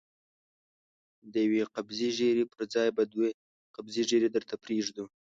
د يوې قبضې ږيرې پر ځای به دوې قبضې ږيره درته پرېږدو.